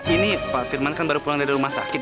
ini pak firman kan baru pulang dari rumah sakit